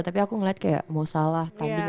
tapi aku ngeliat kayak mau salah tanding